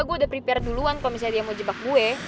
gue udah prepare duluan kalau misalnya dia mau jebak gue